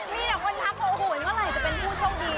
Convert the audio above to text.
มีแต่คนทัพโอ้โหเหมือนก็เหล่าจะเป็นผู้โชคดี